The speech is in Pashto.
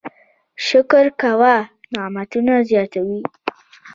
شکر کول نعمتونه زیاتوي